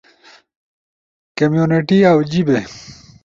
کمیونٹی اؤ جیبے